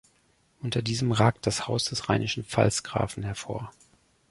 Unter diesem ragt das Haus des Rheinischen Pfalzgrafen hervor.